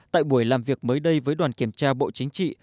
tại buổi làm việc mới đây với đoàn kiểm tra bộ chính trị